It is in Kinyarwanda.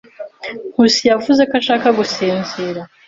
Nkusi yavuze ko ashaka gusinzira.